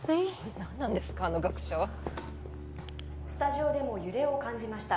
何なんですかあの学者はスタジオでも揺れを感じました